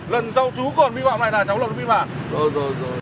lần sau chú còn biên bản này là cháu lập biên bản